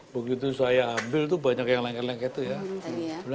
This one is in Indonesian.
begitu saya ambil itu banyak yang lengket lengket tuh ya